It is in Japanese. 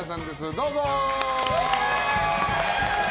どうぞ！